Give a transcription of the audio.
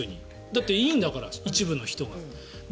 だって、いいんだから一部の人が。